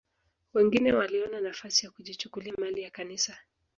Wengine waliona nafasi ya kujichukulia mali ya Kanisa